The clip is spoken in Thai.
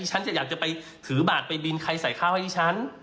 ฉันจะอยากจะไปถือบาทไปบินใครใส่ข้าวให้ฉัน